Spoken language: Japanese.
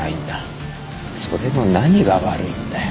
それの何が悪いんだよ